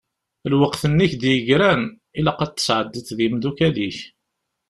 Lweqt-nni i k-d-yegran, ilaq ad t-tsεeddiḍ d yimdukal-ik.